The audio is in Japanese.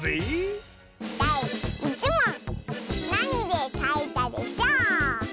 だい１もん「なにでかいたでショー」！